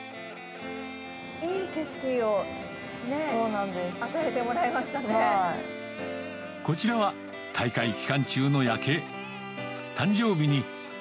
いい景色を、こちらは大会期間中の夜景。